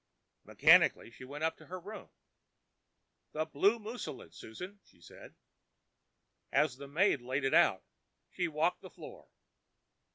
Mechanically she went up to her room. "The blue mousseline, Susan," she said. As the maid laid it out, she walked the floor.